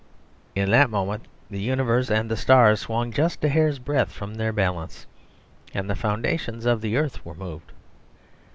In that moment the universe and the stars swung just a hair's breadth from their balance, and the foundations of the earth were moved.